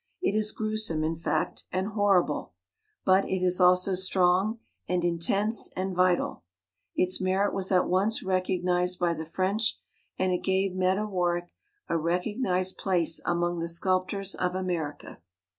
It is grewsome in fact, and horrible; but it is also strong and in tense and vital. Its merit was at once rec ognized by the French, and it gave Meta Warrick a recognized place among the sculptors of America.